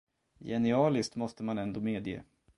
Genialiskt, måste man ändå medge.